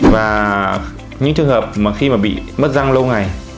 và những trường hợp mà khi mà bị mất răng lâu ngày